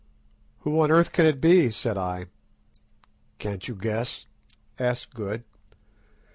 "Who on earth can it be?" said I. "Can't you guess?" asked Good.